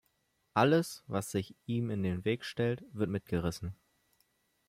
Alles, was sich ihm in den Weg stellt, wird mitgerissen.